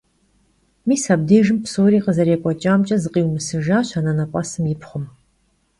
Mis abdêjjım psori khızerêk'ueç'amç'e zıkhiumısıjjaş anenep'esım yi pxhum.